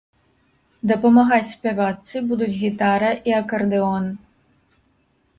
Дапамагаць спявачцы будуць гітара і акардэон.